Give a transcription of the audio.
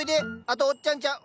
あとおっちゃんちゃう。